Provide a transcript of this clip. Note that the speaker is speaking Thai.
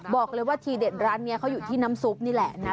บอกเลยว่าทีเด็ดร้านนี้เขาอยู่ที่น้ำซุปนี่แหละนะ